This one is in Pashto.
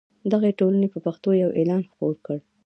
دغې ټولنې په پښتو یو اعلان خپور کړ.